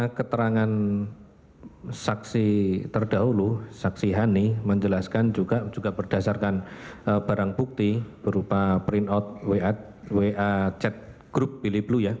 karena keterangan saksi terdahulu saksi hani menjelaskan juga berdasarkan barang bukti berupa print out wa chat group biliblu ya